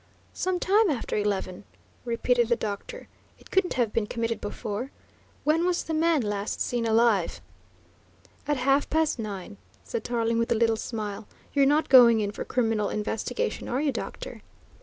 "Some time after eleven," repeated the doctor. "It couldn't have been committed before. When was the man last seen alive?" "At half past nine," said Tarling with a little smile. "You're not going in for criminal investigation, are you, doctor?"